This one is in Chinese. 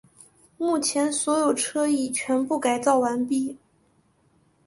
目前所有车已全部改造完毕。